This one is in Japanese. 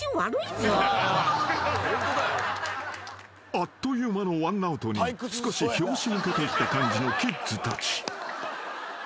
［あっという間のワンアウトに少し拍子抜けといった感じのキッズたち］